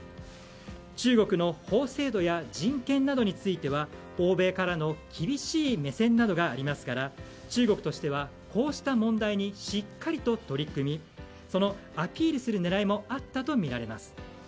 中国の法制度や人権などについては、欧米からの厳しい目線などがありますから中国としては、こうした問題にしっかりと取り組みそれをアピールする狙いもあったとみられます。